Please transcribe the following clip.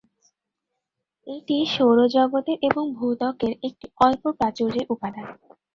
এটি সৌর জগতের এবং ভূত্বকের একটি অল্প প্রাচুর্যের উপাদান।